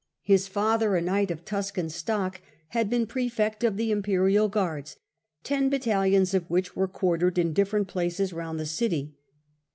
His father, a knight of Tuscan stock, had been praefect of the imperial guards, ten bat talions of which were quartered in different places round the city.